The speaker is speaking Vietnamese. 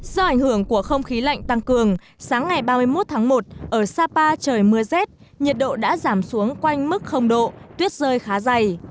do ảnh hưởng của không khí lạnh tăng cường sáng ngày ba mươi một tháng một ở sapa trời mưa rét nhiệt độ đã giảm xuống quanh mức độ tuyết rơi khá dày